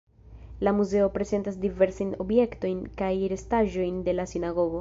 La muzeo prezentas diversajn objektojn kaj restaĵojn de la sinagogo.